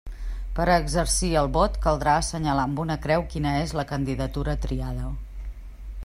Per a exercir el vot caldrà assenyalar amb una creu quina és la candidatura triada.